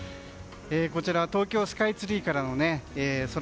こちらは東京スカイツリーからの空。